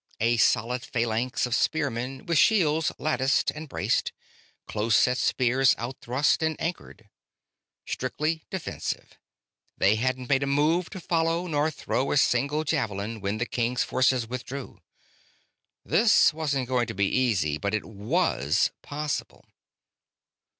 A solid phalanx of spearmen, with shields latticed and braced; close set spears out thrust and anchored. Strictly defensive; they hadn't made a move to follow nor thrown a single javelin when the king's forces withdrew. This wasn't going to be easy, but it was possible.